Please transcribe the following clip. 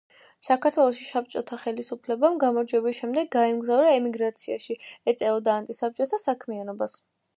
საქართველოში საბჭოთა ხელისუფლების გამარჯვების შემდეგ გაემგზავრა ემიგრაციაში, ეწეოდა ანტისაბჭოთა საქმიანობას.